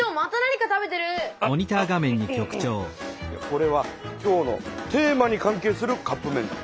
これは今日のテーマに関係するカップめんだ。